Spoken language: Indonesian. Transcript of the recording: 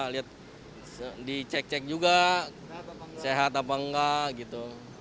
lihat dicek cek juga sehat apa enggak gitu